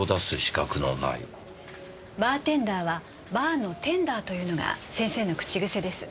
「バーテンダーはバーのテンダー」というのが先生の口癖です。